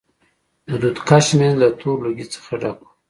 د دود کش منځ له تور لوګي څخه ډک و.